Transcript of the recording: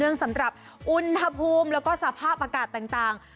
สำหรับอุณหภูมิแล้วก็สภาพอากาศต่าง